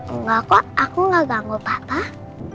enggak kok aku tidak ganggu bapak